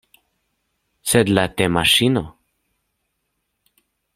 Sed la temaŝino?